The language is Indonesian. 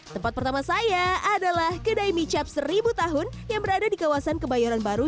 tempat pertama saya adalah kedai mie chap seribu tahun yang berada di kawasan kebayoran baru